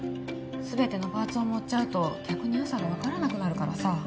すべてのパーツを盛っちゃうと逆によさが分からなくなるからさ。